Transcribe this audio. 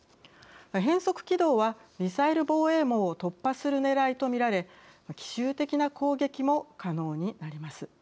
変速軌道はミサイル防衛網を突破するねらいとみられ奇襲的な攻撃も可能になります。